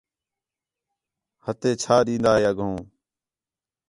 ہَتھے چھا تِھین٘دا ہے اڳّوں